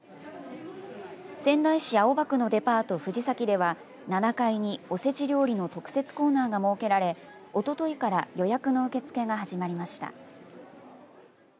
仙台市青葉区のデパート藤崎では７階に、おせち料理の特設コーナーが設けられおとといから予約の受け付けが始まりました。